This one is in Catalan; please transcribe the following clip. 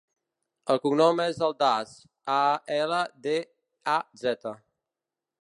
El cognom és Aldaz: a, ela, de, a, zeta.